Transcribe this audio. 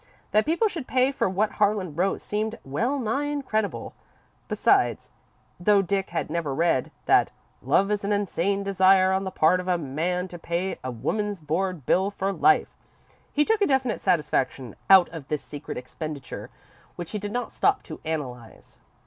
That people should pay for what Harlan wrote seemed well nigh incredible. Besides, though Dick had never read that "love is an insane desire on the part of a man to pay a woman's board bill for life," he took a definite satisfaction out of this secret expenditure, which he did not stop to analyse.